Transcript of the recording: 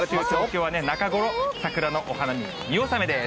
来週、中ごろ、桜のお花見、見納めです。